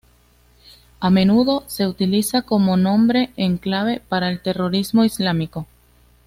A menudo se utiliza como nombre en clave para el terrorismo islámico.